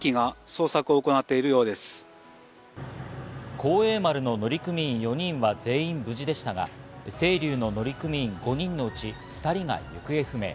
「幸栄丸」の乗組員４人は全員無事でしたが、「せいりゅう」の乗組員５人のうち２人が行方不明。